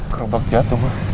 kerobak jatuh ma